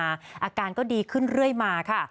อาการก็ดีขึ้นเรื่อยมาค่ะ